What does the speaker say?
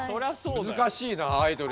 難しいなアイドル。